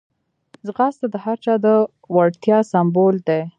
ځغاسته د هر چا د وړتیا سمبول دی